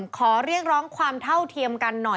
สวัสดีค่ะต้องรับคุณผู้ชมเข้าสู่ชูเวสตีศาสตร์หน้า